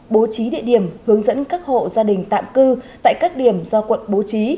bố trí địa điểm hướng dẫn các hộ gia đình tạm cư tại các điểm do quận bố trí